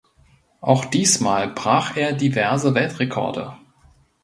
Auch diesmal brach er diverse Weltrekorde.